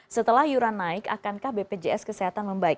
setelah iuran naik akankah bpjs kesehatan membaik